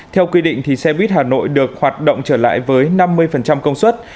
theo quy định xe buýt hà nội được hoạt động trở lại với năm mươi công suất